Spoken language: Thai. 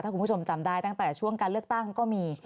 คุณผู้ชมจำได้ตั้งแต่ช่วงการเลือกตั้งก็มี